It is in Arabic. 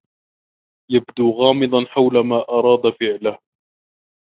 يبدو غامضا حول ما أراد فعله.